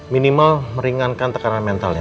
minimal meringankan tekanan mentalnya